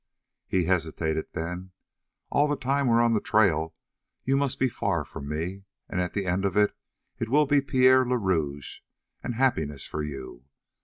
He hesitated, then: "All the time we're on the trail you must be far from me, and at the end of it will be Pierre le Rouge and happiness for you.